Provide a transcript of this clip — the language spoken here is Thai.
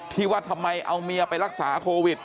ที่ว่าทำไมเอาเมียไปรักษาโควิด